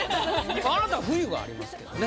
あなたは冬がありますけどね。